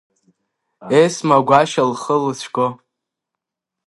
Есма Гәашьа лхы лыцәго.